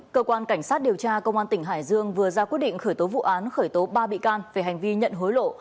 cơ quan cảnh sát điều tra công an tỉnh hải dương vừa ra quyết định khởi tố vụ án khởi tố ba bị can về hành vi nhận hối lộ